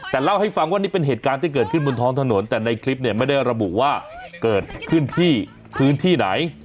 แต่เล่าให้ฟังว่านี่เป็นเหตุการณ์ที่เกิดขึ้นบนท้องถนนแต่ในคลิปเนี่ยไม่ได้ระบุว่าเกิดขึ้นที่พื้นที่ไหน